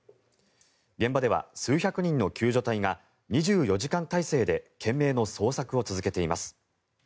現場では数百人の救助隊が２４時間体制で懸命の捜索を続けています。